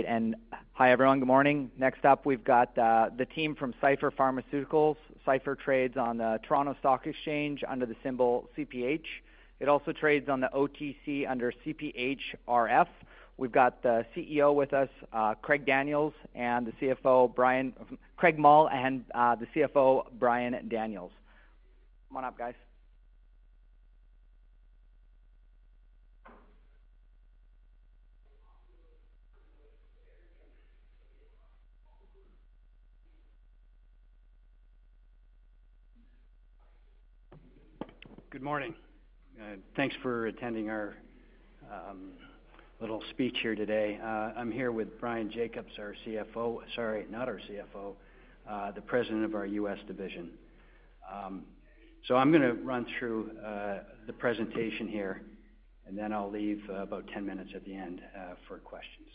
All right, and hi, everyone. Good morning. Next up, we've got the team from Cipher Pharmaceuticals. Cipher trades on the Toronto Stock Exchange under the symbol CPH. It also trades on the OTC under CPHRF. We've got the CEO with us, Craig Mull, and the CFO, Ryan Milling. Come on up, guys. Good morning, and thanks for attending our little speech here today. I'm here with Bryan Jacobs, our CFO. Sorry, not our CFO, the president of our U.S. division. So I'm gonna run through the presentation here, and then I'll leave about ten minutes at the end for questions.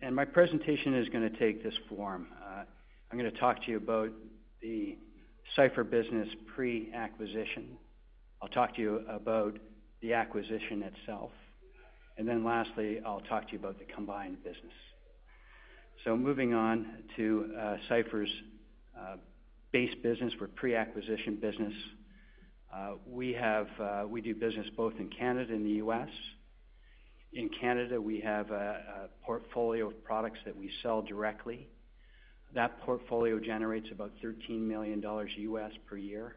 And my presentation is gonna take this form. I'm gonna talk to you about the Cipher business pre-acquisition. I'll talk to you about the acquisition itself, and then lastly, I'll talk to you about the combined business. So moving on to Cipher's base business or pre-acquisition business. We do business both in Canada and the U.S. In Canada, we have a portfolio of products that we sell directly. That portfolio generates about $13 million per year.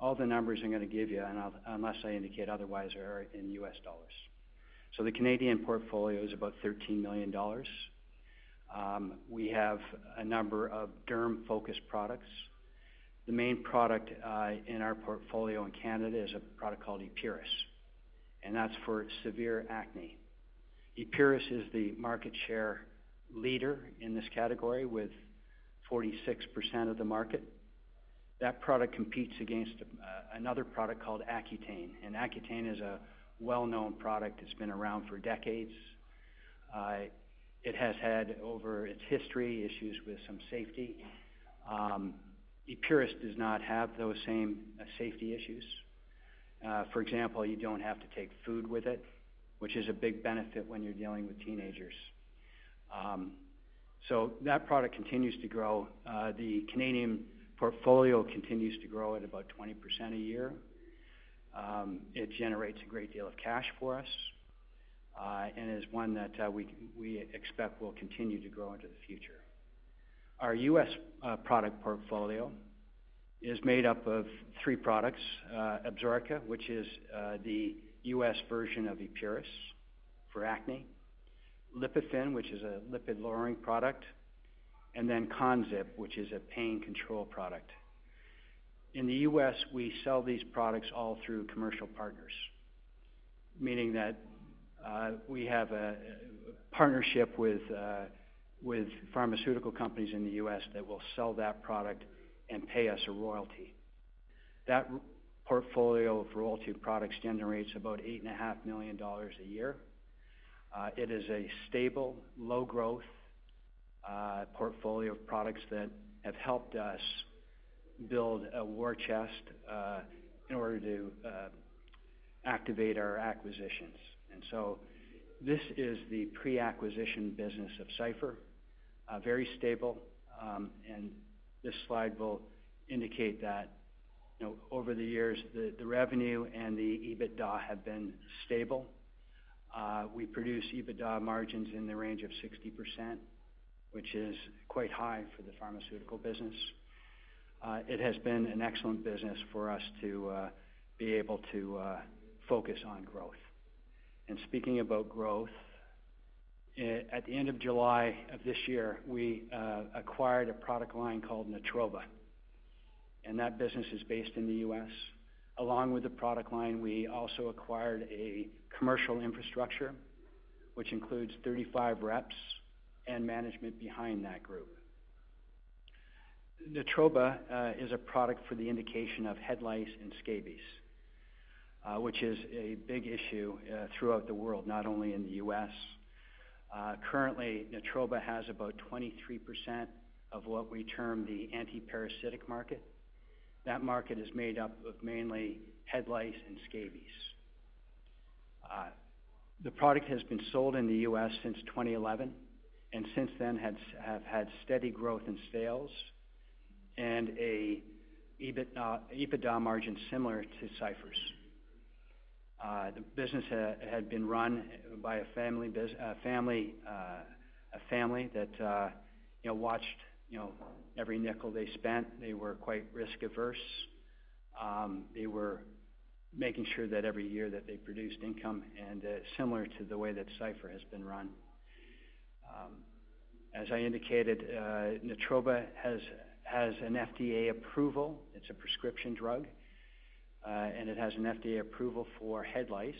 All the numbers I'm gonna give you, and unless I indicate otherwise, are in US dollars. So the Canadian portfolio is about $13 million. We have a number of derm-focused products. The main product in our portfolio in Canada is a product called Epuris, and that's for severe acne. Epuris is the market share leader in this category, with 46% of the market. That product competes against another product called Accutane, and Accutane is a well-known product. It's been around for decades. It has had over its history issues with some safety. Epuris does not have those same safety issues. For example, you don't have to take food with it, which is a big benefit when you're dealing with teenagers. So that product continues to grow. The Canadian portfolio continues to grow at about 20% a year. It generates a great deal of cash for us, and is one that we expect will continue to grow into the future. Our U.S. product portfolio is made up of three products: Absorica, which is the U.S. version of Epuris for acne. Lipofen, which is a lipid-lowering product, and then ConZip, which is a pain control product. In the U.S., we sell these products all through commercial partners, meaning that we have a partnership with pharmaceutical companies in the U.S. that will sell that product and pay us a royalty. That portfolio of royalty products generates about $8.5 million a year. It is a stable, low-growth portfolio of products that have helped us build a war chest, in order to activate our acquisitions. This is the pre-acquisition business of Cipher, very stable, and this slide will indicate that, you know, over the years, the revenue and the EBITDA have been stable. We produce EBITDA margins in the range of 60%, which is quite high for the pharmaceutical business. It has been an excellent business for us to be able to focus on growth. Speaking about growth, at the end of July of this year, we acquired a product line called Natroba, and that business is based in the U.S. Along with the product line, we also acquired a commercial infrastructure, which includes 35 reps and management behind that group. Natroba is a product for the indication of head lice and scabies, which is a big issue throughout the world, not only in the U.S. Currently, Natroba has about 23% of what we term the antiparasitic market. That market is made up of mainly head lice and scabies. The product has been sold in the U.S. since 2011, and since then, has had steady growth in sales and a EBITDA margin similar to Cipher's. The business had been run by a family that, you know, watched, you know, every nickel they spent. They were quite risk-averse. They were making sure that every year that they produced income, and similar to the way that Cipher has been run. As I indicated, Natroba has an FDA approval. It's a prescription drug, and it has an FDA approval for head lice.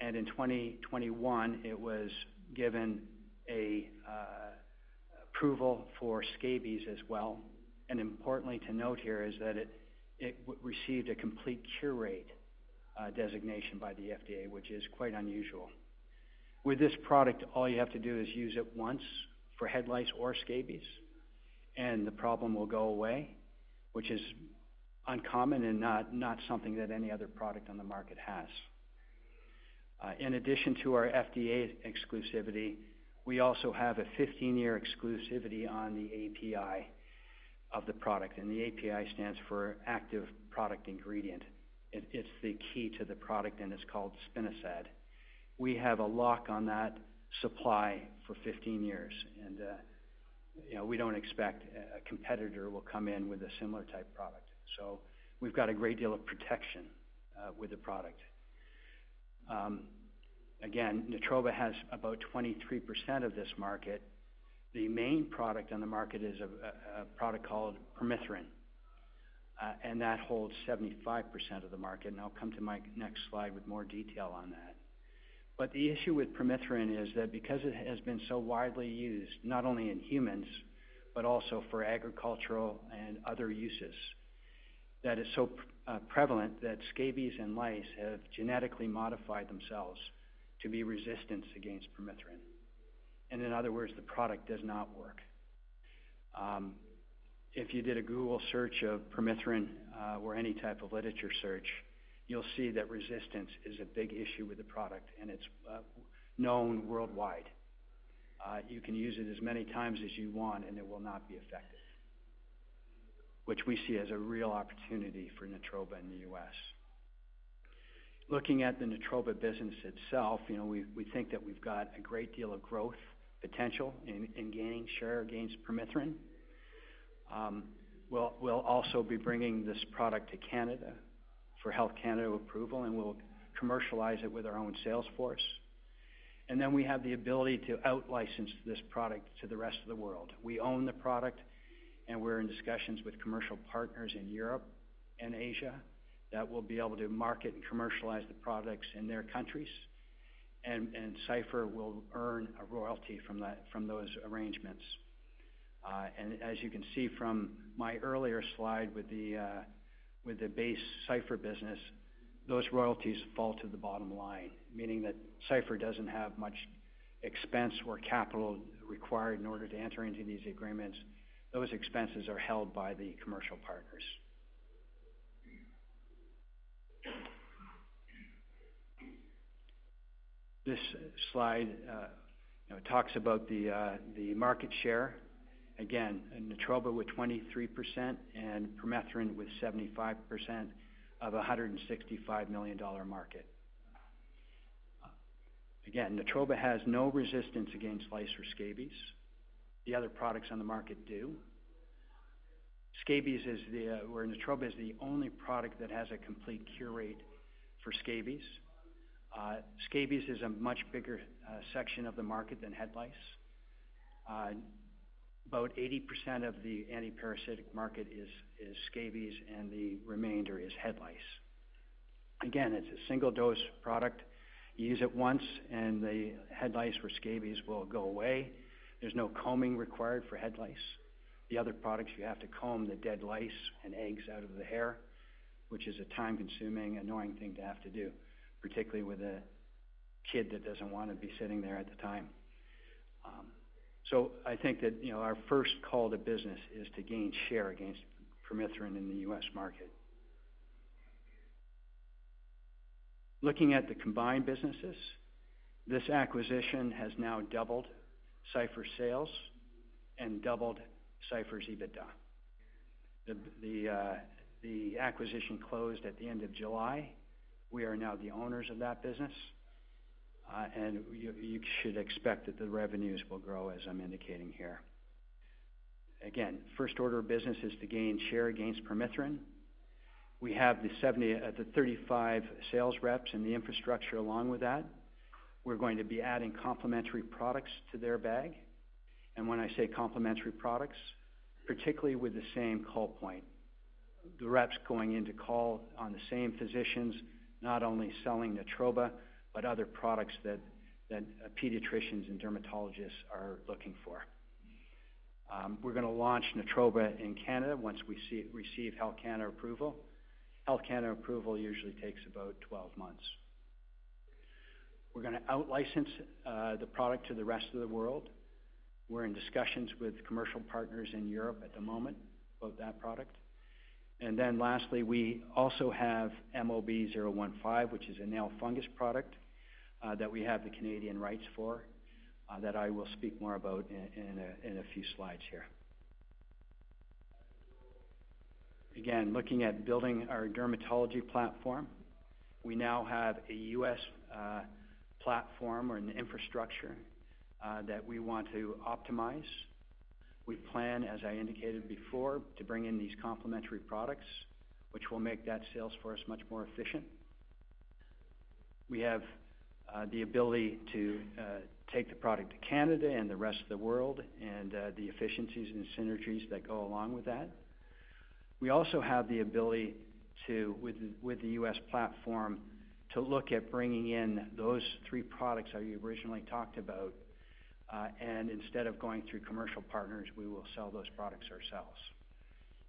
And in 2021, it was given an approval for scabies as well. Importantly to note here is that it received a complete cure rate designation by the FDA, which is quite unusual. With this product, all you have to do is use it once for head lice or scabies, and the problem will go away, which is uncommon and not something that any other product on the market has. In addition to our FDA exclusivity, we also have a fifteen-year exclusivity on the API of the product, and the API stands for Active Product Ingredient. It is the key to the product, and it is called spinosad. We have a lock on that supply for fifteen years, and you know, we do not expect a competitor will come in with a similar type product. So we have got a great deal of protection with the product. Again, Natroba has about 23% of this market. The main product on the market is a product called permethrin, and that holds 75% of the market, and I'll come to my next slide with more detail on that. But the issue with permethrin is that because it has been so widely used, not only in humans, but also for agricultural and other uses, that is so prevalent that scabies and lice have genetically modified themselves to be resistant against permethrin. And in other words, the product does not work. If you did a Google search of permethrin, or any type of literature search, you'll see that resistance is a big issue with the product, and it's known worldwide. You can use it as many times as you want, and it will not be effective, which we see as a real opportunity for Natroba in the U.S. Looking at the Natroba business itself, you know, we think that we've got a great deal of growth potential in gaining share against Permethrin. We'll also be bringing this product to Canada for Health Canada approval, and we'll commercialize it with our own sales force, and then we have the ability to out-license this product to the rest of the world. We own the product, and we're in discussions with commercial partners in Europe and Asia that will be able to market and commercialize the products in their countries, and Cipher will earn a royalty from that, from those arrangements, and as you can see from my earlier slide with the base Cipher business, those royalties fall to the bottom line, meaning that Cipher doesn't have much expense or capital required in order to enter into these agreements. Those expenses are held by the commercial partners. This slide, you know, talks about the market share. Again, Natroba with 23% and permethrin with 75% of a $165 million market. Again, Natroba has no resistance against lice or scabies. The other products on the market do. Scabies is the where Natroba is the only product that has a complete cure rate for scabies. Scabies is a much bigger section of the market than head lice. About 80% of the antiparasitic market is scabies, and the remainder is head lice. Again, it's a single-dose product. You use it once, and the head lice or scabies will go away. There's no combing required for head lice. The other products, you have to comb the dead lice and eggs out of the hair, which is a time-consuming, annoying thing to have to do, particularly with a kid that doesn't want to be sitting there at the time. So I think that, you know, our first call to business is to gain share against Permethrin in the U.S. market. Looking at the combined businesses, this acquisition has now doubled Cipher's sales and doubled Cipher's EBITDA. The acquisition closed at the end of July. We are now the owners of that business, and you should expect that the revenues will grow, as I'm indicating here. Again, first order of business is to gain share against Permethrin. We have the 35 sales reps and the infrastructure along with that. We're going to be adding complementary products to their bag, and when I say complementary products, particularly with the same call point. The reps going in to call on the same physicians, not only selling Natroba, but other products that pediatricians and dermatologists are looking for. We're gonna launch Natroba in Canada once we receive Health Canada approval. Health Canada approval usually takes about 12 months. We're gonna out-license the product to the rest of the world. We're in discussions with commercial partners in Europe at the moment about that product, and then lastly, we also have MOB-015, which is a nail fungus product, that we have the Canadian rights for, that I will speak more about in a few slides here. Again, looking at building our dermatology platform, we now have a U.S. platform or an infrastructure that we want to optimize. We plan, as I indicated before, to bring in these complementary products, which will make that sales force much more efficient. We have the ability to take the product to Canada and the rest of the world, and the efficiencies and synergies that go along with that. We also have the ability to, with the U.S. platform, to look at bringing in those three products I originally talked about, and instead of going through commercial partners, we will sell those products ourselves,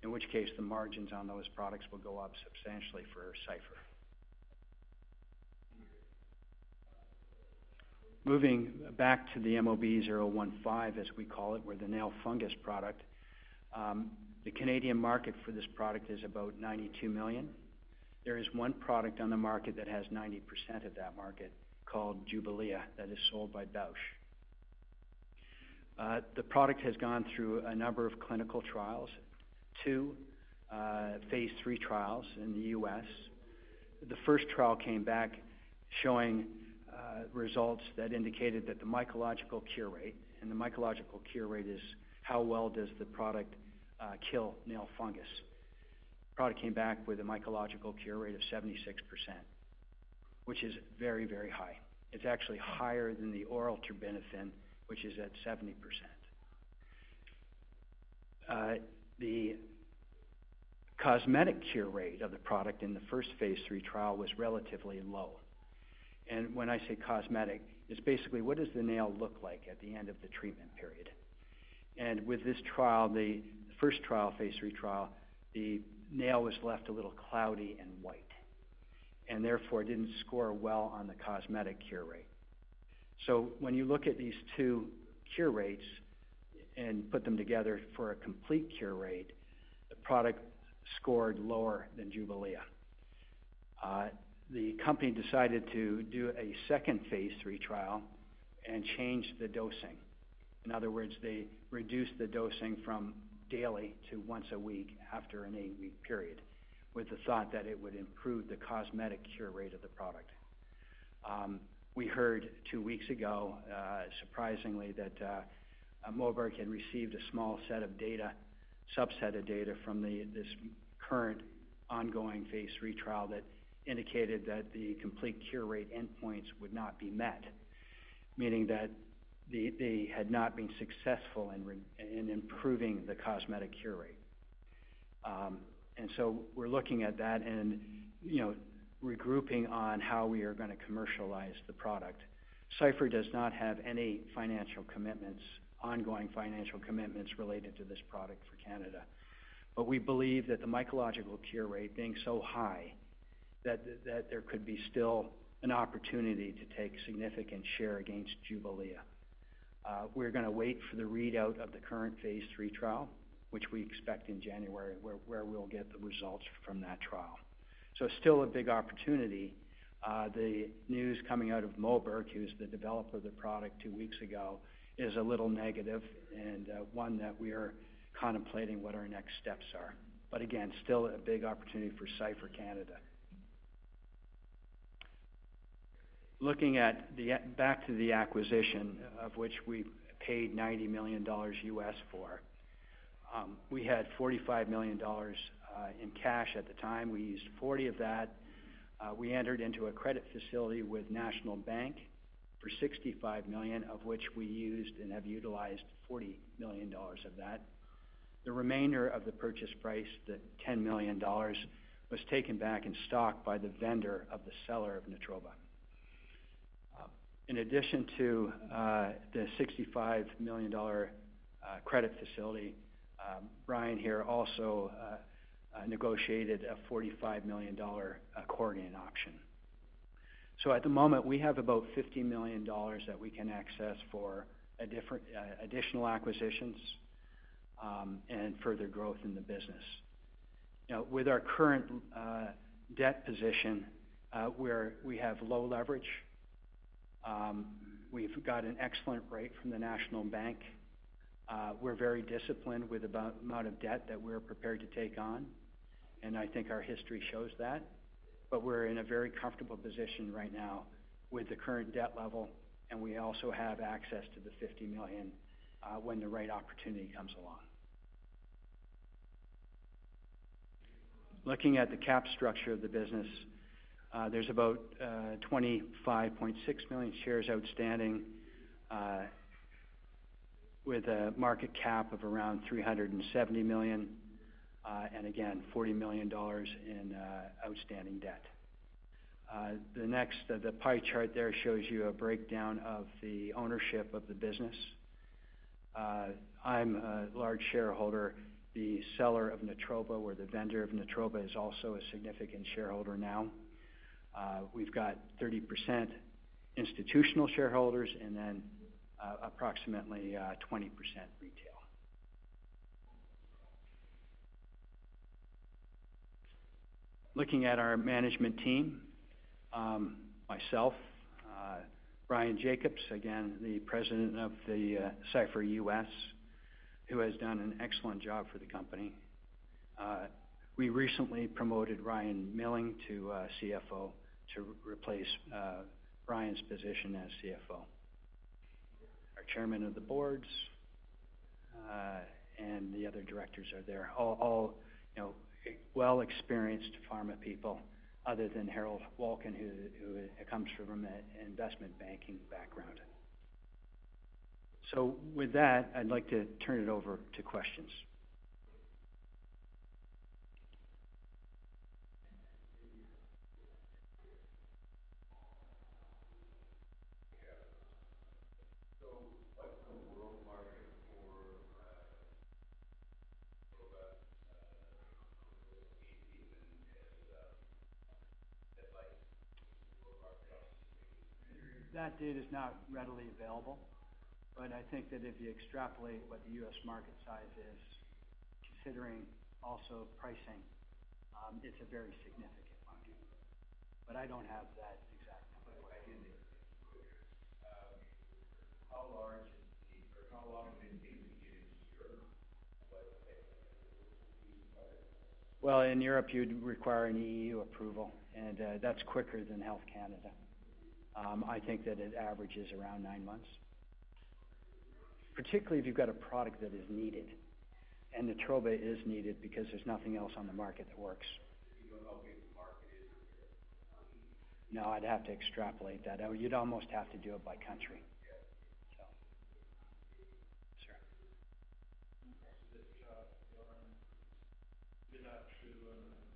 in which case, the margins on those products will go up substantially for Cipher. Moving back to the MOB-015, as we call it, or the nail fungus product. The Canadian market for this product is about 92 million. There is one product on the market that has 90% of that market, called Jublia, that is sold by Bausch. The product has gone through a number of clinical trials, two, phase III trials in the U.S. The first trial came back showing, results that indicated that the mycological cure rate, and the mycological cure rate is how well does the product, kill nail fungus. The product came back with a mycological cure rate of 76%, which is very, very high. It's actually higher than the oral terbinafine, which is at 70%. The cosmetic cure rate of the product in the first phase III trial was relatively low, and when I say cosmetic, it's basically what does the nail look like at the end of the treatment period? With this trial, the first trial, phase III trial, the nail was left a little cloudy and white, and therefore, didn't score well on the cosmetic cure rate. When you look at these two cure rates and put them together for a complete cure rate, the product scored lower than Jublia. The company decided to do a second phase III trial and change the dosing. In other words, they reduced the dosing from daily to once a week after an eight-week period, with the thought that it would improve the cosmetic cure rate of the product. We heard two weeks ago, surprisingly, that Moberg had received a small set of data, subset of data from this current ongoing phase III trial that indicated that the complete cure rate endpoints would not be met, meaning that they had not been successful in improving the cosmetic cure rate. And so we're looking at that and, you know, regrouping on how we are going to commercialize the product. Cipher does not have any financial commitments, ongoing financial commitments related to this product for Canada, but we believe that the mycological cure rate being so high, that there could be still an opportunity to take significant share against Jublia. We're going to wait for the readout of the current phase III trial, which we expect in January, where we'll get the results from that trial. So it's still a big opportunity. The news coming out of Moberg, who's the developer of the product two weeks ago, is a little negative and, one that we are contemplating what our next steps are. But again, still a big opportunity for Cipher Canada. Looking back to the acquisition, of which we paid $90 million for, we had $45 million in cash at the time. We used $40 million of that. We entered into a credit facility with National Bank for $65 million, of which we used and have utilized $40 million of that. The remainder of the purchase price, the $10 million, was taken back in stock by the vendor of the seller of Natroba. In addition to the 65 million-dollar credit facility, Brian here also negotiated a 45 million-dollar accordion option. So at the moment, we have about 50 million dollars that we can access for a different additional acquisitions and further growth in the business. Now, with our current debt position, we have low leverage. We've got an excellent rate from the National Bank. We're very disciplined with the amount of debt that we're prepared to take on, and I think our history shows that. But we're in a very comfortable position right now with the current debt level, and we also have access to the 50 million when the right opportunity comes along. Looking at the cap structure of the business, there's about 25.6 million shares outstanding, with a market cap of around 370 million, and again, 40 million dollars in outstanding debt. The next, the pie chart there shows you a breakdown of the ownership of the business. I'm a large shareholder. The seller of Natroba, or the vendor of Natroba, is also a significant shareholder now. We've got 30% institutional shareholders and then approximately 20% retail. Looking at our management team, myself, Brian Jacobs, again, the President of Cipher US, who has done an excellent job for the company. We recently promoted Ryan Mailling to CFO, to replace Brian's position as CFO. Our Chairman of the Board, and the other directors are there, all, you know, well experienced pharma people, other than Harold Wolkin, who comes from an investment banking background. So with that, I'd like to turn it over to questions. That data is not readily available, but I think that if you extrapolate what the U.S. market size is, considering also pricing, it's a very significant market. But I don't have that exact number. I didn't. How large is the or how long has been? In Europe, you'd require an EU approval, and that's quicker than Health Canada. I think that it averages around nine months, particularly if you've got a product that is needed. Natroba is needed because there's nothing else on the market that works. Do you know how big the market is? No, I'd have to extrapolate that. You'd almost have to do it by country. Yeah. So... Sure. Our Canadian business,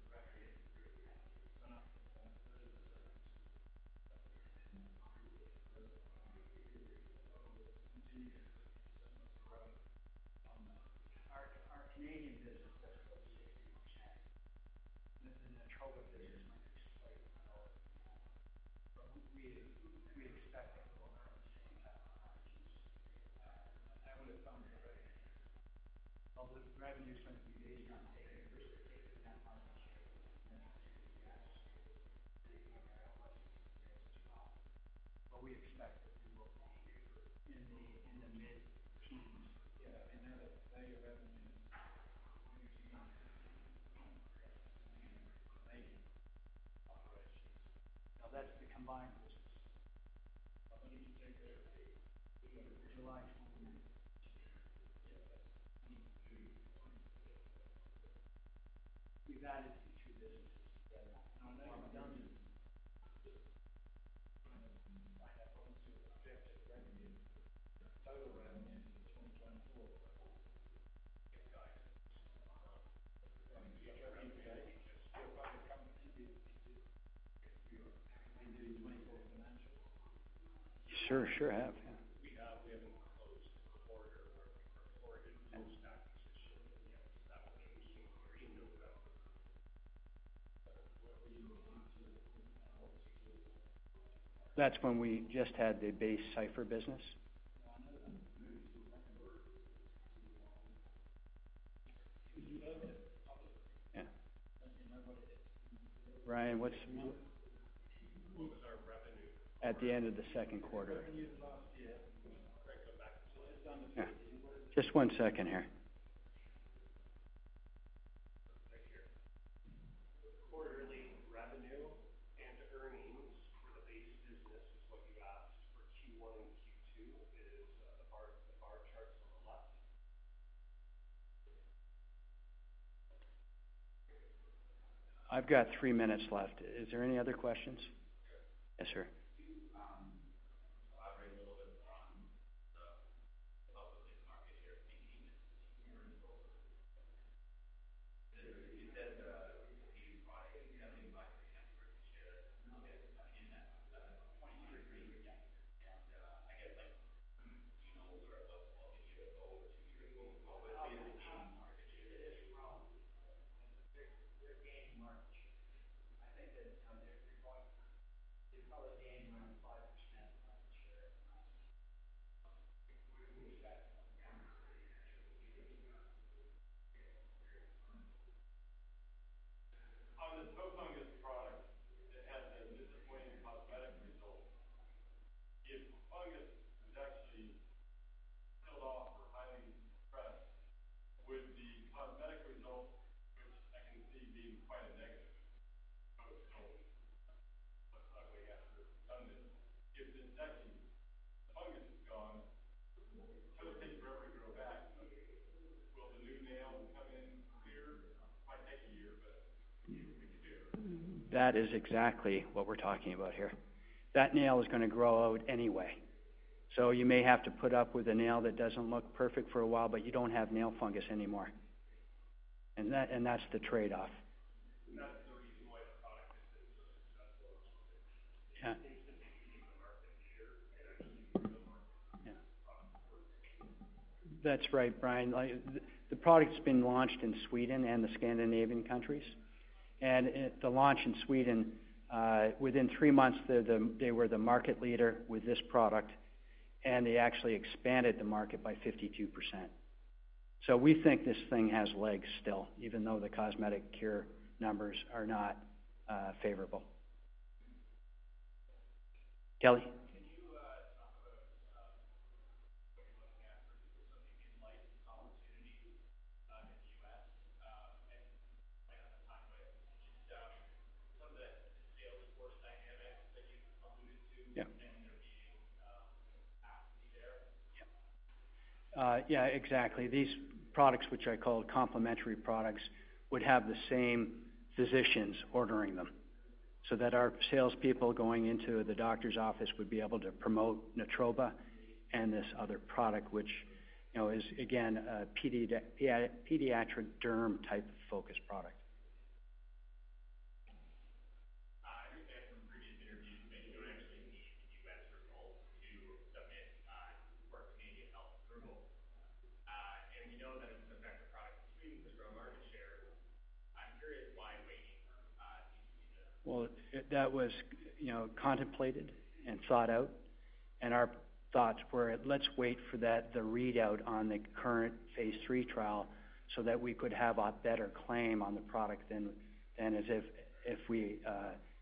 that's about 60%. The Natroba business might explain how, but we expect it to go up, saying that I would have found it right. But the revenue seems to be based on but we expect it to go up in the mid-teens. Yeah, and the other revenue operations. Now, that's the combined business. I believe you take care of the- July twenty. Yeah, that's in June. We've added the two businesses together, and I've only done it. I have promised to project the revenue, the total revenue for 2024. Sure, sure have. Yeah. We have a closed quarter, our post-acquisition, and that will give you That's when we just had the base Cipher business. Yeah. Ryan, what's- What was our revenue? At the end of the second quarter. Revenue last year. Go back. Yeah, just one second here. Thank you. Quarterly revenue and earnings for the base business is what you asked for Q1 and Q2 is, the bar charts on the left. I've got three minutes left. Is there any other questions? Yes, sir. and at the launch in Sweden, within three months, they were the market leader with this product, and they actually expanded the market by 52%. So we think this thing has legs still, even though the cosmetic cure numbers are not favorable. Kelly? Can you talk about what you're looking after something in license opportunity in the U.S. and like on the time some of the sales force dynamics that you alluded to- Yeah. And there being activity there? Yeah. Yeah, exactly. These products, which I call complementary products, would have the same physicians ordering them. So that our salespeople going into the doctor's office would be able to promote Natroba and this other product, which you know, is again, a pediatric derm type of focus product. I read from previous interviews that you don't actually need the U.S. results to submit for Canadian health approval. And we know that it's an effective product to grow market share. I'm curious why waiting needs to be the- That was, you know, contemplated and thought out, and our thoughts were, let's wait for that, the readout on the current phase three trial, so that we could have a better claim on the product than as if we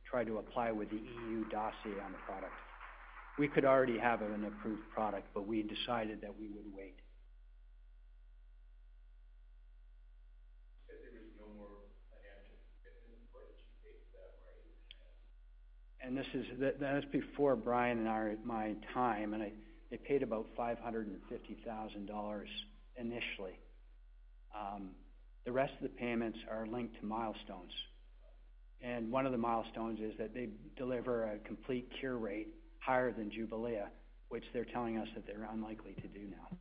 try to apply with the EU dossier on the product. We could already have an approved product, but we decided that we would wait. Said there was no more financial, where did you take that, right? That was before Bryan and my time. They paid about $550,000 initially. The rest of the payments are linked to milestones, and one of the milestones is that they deliver a complete cure rate higher than Jublia, which they're telling us that they're unlikely to do now.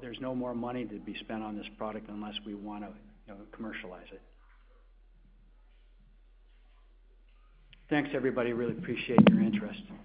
There's no more money to be spent on this product unless we want to, you know, commercialize it. Thanks, everybody. Really appreciate your interest.